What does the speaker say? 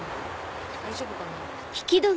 大丈夫かな。